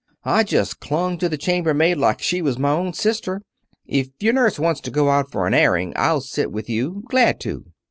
I just clung to the chamber maid like she was my own sister. If your nurse wants to go out for an airing I'll sit with you. Glad to."